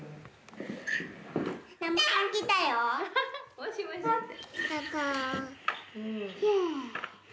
もしもしって。